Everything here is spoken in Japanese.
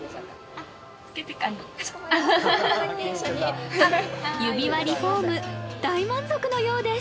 あっ指輪リフォーム大満足のようです！